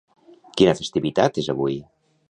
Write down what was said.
Quina festivitat és avui?